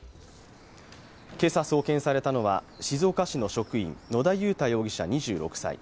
今朝送検されたのは静岡市の職員、野田雄太容疑者２６歳。